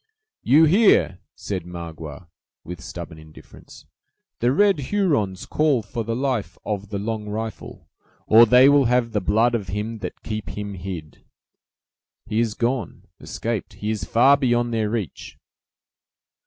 "You hear," said Magua, with stubborn indifference: "the red Hurons call for the life of 'The Long Rifle', or they will have the blood of him that keep him hid!" "He is gone—escaped; he is far beyond their reach."